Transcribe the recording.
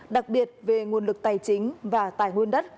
đặc biệt về nguồn lực tài chính và tài